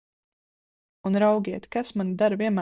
Un, raugiet, kas mani dara vienmēr bažīgu!